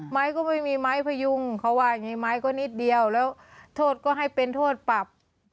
ไม้ก็ไม่มีไม้พยุงเขาว่าอย่างนี้ไม้ก็นิดเดียวแล้วโทษก็ให้เป็นโทษปรับ